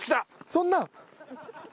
そんな！